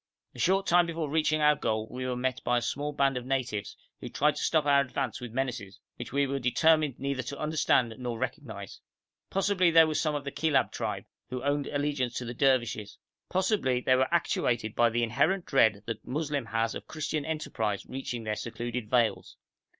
A short time before reaching our goal we were met by a small band of natives, who tried to stop our advance with menaces, which we were determined neither to understand nor recognise. Possibly they were some of the Kilab tribe, who owned allegiance to the Dervishes; possibly they were actuated by the inherent dread the Moslem has of Christian enterprise reaching their secluded vales.